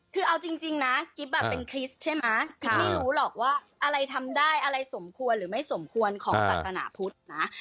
คือเอาจริงนะกิ๊บเป็นคริสต์ใช่ไหมกิ๊บไม่รู้หรอกว่าอะไรทำได้อะไรสมควรหรือไม่สมควรของศาสนาพุทธนะ